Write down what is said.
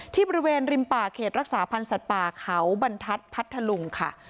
ที่บริเวณริมป่าเขตรักษาพันธ์สัตว์ป่าเขาบรรทัศน์พัทธลุงค่ะ